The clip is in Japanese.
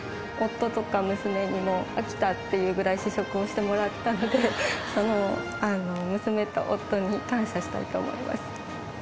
夫とか娘にも飽きたっていうぐらい試食をしてもらったので娘と夫に感謝したいと思います。